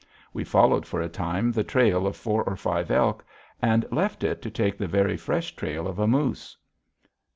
We followed for a time the trail of four or five elk, and left it to take the very fresh trail of a moose.